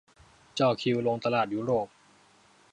จ่อคิวลงตลาดยุโรป